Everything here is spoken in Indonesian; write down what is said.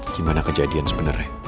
gimana kejadian sebenernya